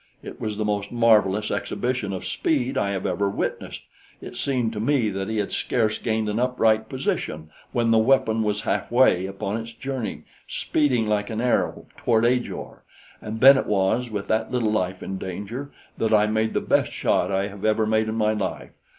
It was the most marvelous exhibition of speed I have ever witnessed. It seemed to me that he had scarce gained an upright position when the weapon was half way upon its journey, speeding like an arrow toward Ajor. And then it was, with that little life in danger, that I made the best shot I have ever made in my life!